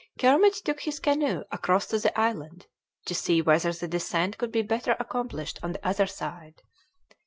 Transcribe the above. Kermit took his canoe across to the island to see whether the descent could be better accomplished on the other side.